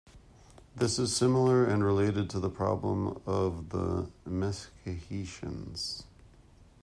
This is similar and related to the problem of the Meskhetians.